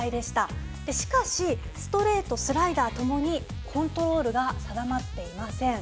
しかしストレートスライダーともにコントロールが定まっていません。